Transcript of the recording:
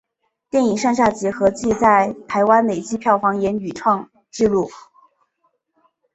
电影上下集合计在台湾累积票房也屡创纪录。